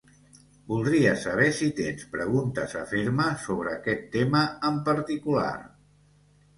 Voldria saber si tens preguntes a fer-me sobre aquest tema en particular?